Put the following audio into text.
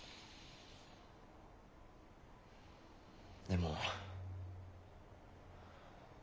でも。